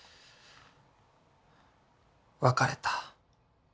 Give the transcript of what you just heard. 別れた。